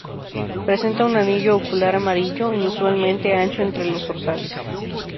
Presenta un anillo ocular amarillo inusualmente ancho entre los zorzales.